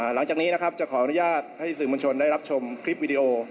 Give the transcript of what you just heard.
หลังจากนี้นะครับจะขออนุญาตให้สื่อมวลชนได้รับชมคลิปวิดีโอ